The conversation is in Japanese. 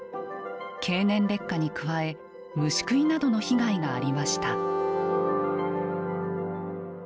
経年劣化に加え虫食いなどの被害がありました。